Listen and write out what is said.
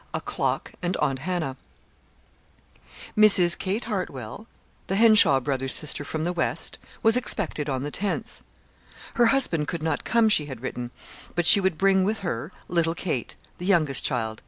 A CLOCK AND AUNT HANNAH Mrs. Kate Hartwell, the Henshaw brothers' sister from the West, was expected on the tenth. Her husband could not come, she had written, but she would bring with her, little Kate, the youngest child.